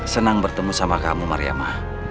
senang bertemu sama kamu mariama